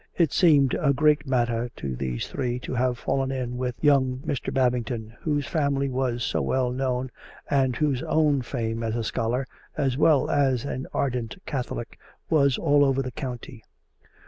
It seemed a great matter to these three to have fallen in with young Mr. Babington, whose family was so well known, and whose own fame as a scholar, as well as an ardent Catholic, was all over the county.